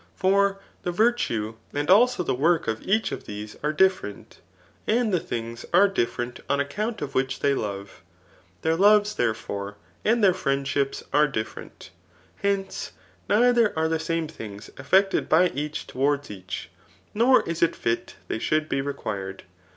For the virtue and also the work of each of these are diflferent ; and the things are diflferent on account of which they love. Their bves, therefore, and their friendships are diflferent. Hence, neither are the same things effJected by each to wards each, nor is it fit they should be required.